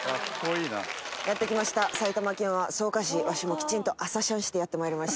やって来ました、埼玉県は草加市、わしもきちんと朝シャンしてまいりました。